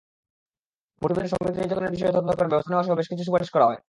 প্রতিবেদনে শ্রমিক নির্যাতনের বিষয়ে তদন্ত করে ব্যবস্থা নেওয়াসহ বেশ কিছু সুপারিশ করা হয়।